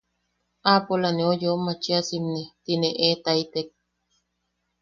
“aapola neu yeu machisimne”. Tine eetaitek.